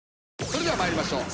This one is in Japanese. それでは参りましょう。